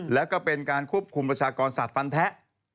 แล้วก็เป็นการควบคุมประชากรสัตว์ฟันแท้